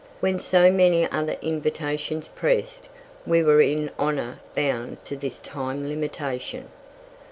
When so many other invitations pressed, we were in honour bound to this time limitation.